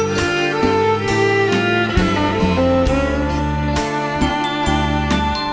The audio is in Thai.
ร้องให้เฉยเอ็มมากเพลงมีร้านเพลงมาก